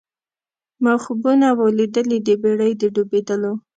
ما خوبونه وه لیدلي د بېړۍ د ډوبېدلو